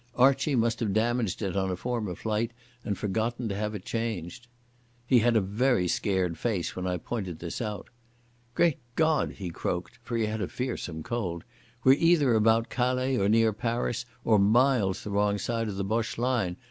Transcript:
Archie must have damaged it on a former flight and forgotten to have it changed. He had a very scared face when I pointed this out. "Great God!" he croaked—for he had a fearsome cold—"we're either about Calais or near Paris or miles the wrong side of the Boche line.